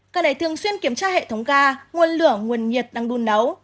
cần phải thường xuyên kiểm tra hệ thống ga nguồn lửa nguồn nhiệt đang đun nấu